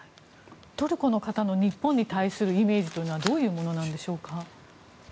トルコの方の日本に対するイメージというのはどういうものなんでしょうか。